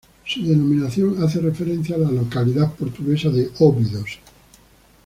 Su denominación hace referencia a la localidad portuguesa de Óbidos.